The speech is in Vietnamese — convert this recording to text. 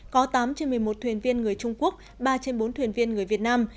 có tám trên một mươi một thuyền viên người trung quốc ba trên bốn thuyền viên người việt nam